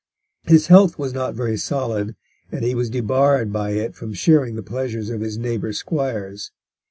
His health was not very solid, and he was debarred by it from sharing the pleasures of his neighbour squires.